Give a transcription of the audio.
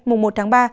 mùa một tháng ba